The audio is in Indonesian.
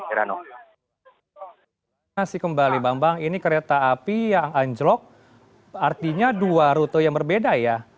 masih kembali bambang ini kereta api yang anjlok artinya dua rute yang berbeda ya